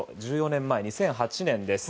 １４年前２００８年です。